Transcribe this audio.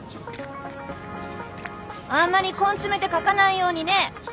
あんまり根詰めて書かないようにね。